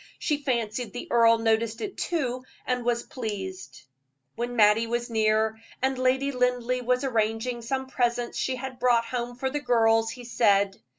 She fancied the earl noticed it too, and was pleased. When Mattie was near, and Lady Linleigh was arranging some presents she had brought home for the girls, he said.